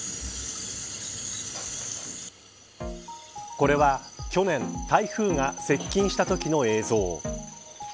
これは去年台風が接近したときの映像。